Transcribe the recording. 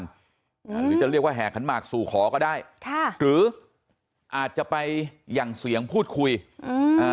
หรือจะเรียกว่าแห่ขันหมากสู่ขอก็ได้ค่ะหรืออาจจะไปหยั่งเสียงพูดคุยอืมอ่า